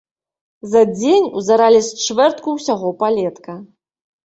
За дзень узаралі з чвэртку ўсяго палетка.